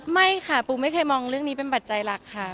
ไม่ค่ะปูไม่เคยมองเรื่องนี้เป็นปัจจัยหลักค่ะ